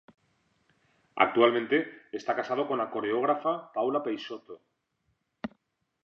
Actualmente esta casado con la coreógrafa Paula Peixoto.